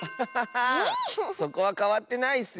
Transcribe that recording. そこはかわってないッスよ！